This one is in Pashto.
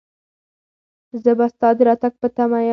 زه به ستا د راتګ په تمه یم.